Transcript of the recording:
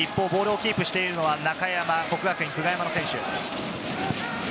ボールをキープしているのは中山、國學院久我山の選手。